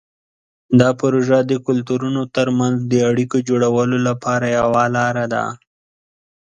دا پروژه د کلتورونو ترمنځ د اړیکو جوړولو لپاره یوه لاره ده.